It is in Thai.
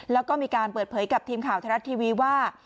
แล้วก็มีการเปิดเผยกับทีมข่าวไทยรัฐทีวีว่า